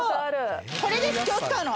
これです今日使うの。